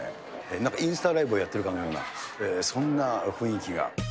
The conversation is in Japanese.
なんかインスタライブをやってるかのような、そんな雰囲気が。